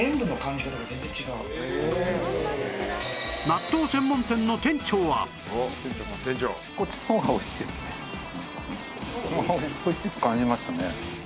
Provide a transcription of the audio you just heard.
納豆専門店の店長はおいしく感じましたね。